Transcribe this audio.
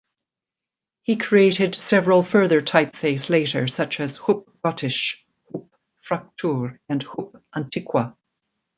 He created several further typeface later, such as "Hupp-Gotisch", "Hupp-Fraktur", and "Hupp-Antiqua".